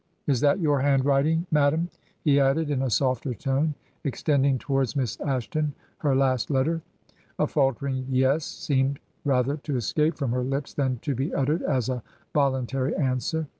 Is that your handwriting, madam?' he added, in a softer tone, extending towards Miss Ashton her last letter. A faltering 'Yes,' seemed rather to escape from her lips than to be uttered as a voluntary answer.